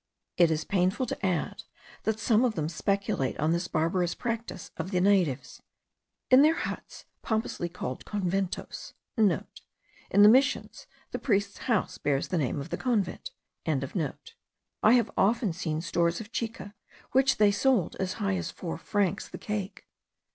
It is painful to add, that some of them speculate on this barbarous practice of the natives. In their huts, pompously called conventos,* (* In the Missions, the priest's house bears the name of the convent.) I have often seen stores of chica, which they sold as high as four francs the cake.